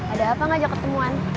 ada apa ngajak ketemuan